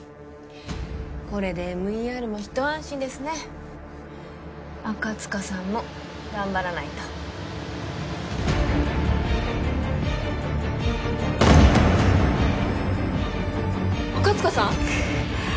これでＭＥＲもひと安心ですね赤塚さんも頑張らないと赤塚さん？